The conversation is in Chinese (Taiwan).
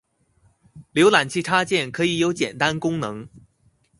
瀏覽器插件可以有簡單功能